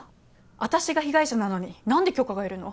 私が被害者なのになんで許可がいるの？